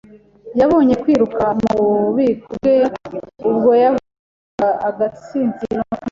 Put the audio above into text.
Yabonye kwiruka mu bubiko bwe ubwo yavunaga agatsinsino k'inkweto.